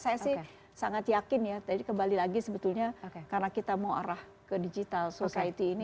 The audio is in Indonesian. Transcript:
saya sih sangat yakin ya jadi kembali lagi sebetulnya karena kita mau arah ke digital society ini